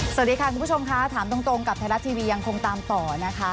สวัสดีค่ะคุณผู้ชมค่ะถามตรงกับไทยรัฐทีวียังคงตามต่อนะคะ